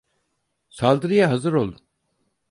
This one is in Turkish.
Saldırıya hazır olun.